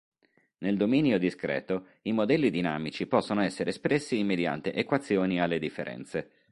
Nel dominio discreto, i modelli dinamici possono essere espressi mediante equazioni alle differenze.